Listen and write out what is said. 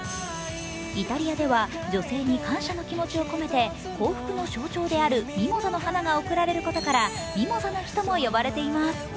イタリアでは女性に感謝の気持ちを込めて幸福の象徴であるミモザの花が贈られることからミモザの日とも呼ばれています。